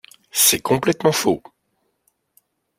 C’est complètement faux!